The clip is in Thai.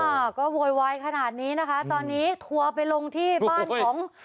อ่าก็โวยวายขนาดนี้นะคะตอนนี้ทัวร์ไปลงที่บ้านของ